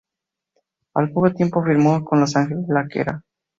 Al poco tiempo, firmó con Los Angeles Lakers.